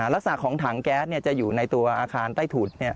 ลักษณะของถังแก๊สจะอยู่ในตัวอาคารใต้ถุด